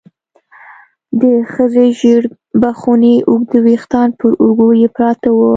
د ښځې ژېړ بخوني اوږده ويښتان پر اوږو يې پراته وو.